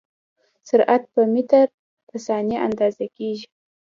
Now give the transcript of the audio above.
سرعت په متر په ثانیه اندازه کېږي.